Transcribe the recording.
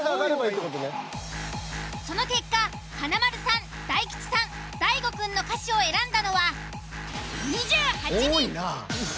その結果華丸さん大吉さん大悟くんの歌詞を選んだのは２８人。